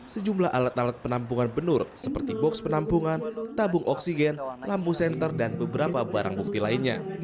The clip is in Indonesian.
sejumlah alat alat penampungan benur seperti box penampungan tabung oksigen lampu senter dan beberapa barang bukti lainnya